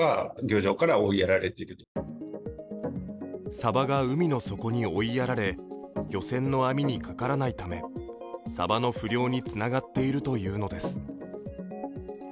サバが海の底に追いやられ漁船の網にかからないためサバの不漁につながっているというのです。